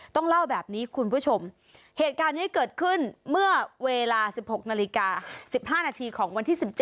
ต้องเล่าแบบนี้คุณผู้ชมเหตุการณ์นี้เกิดขึ้นเมื่อเวลา๑๖นาฬิกา๑๕นาทีของวันที่๑๗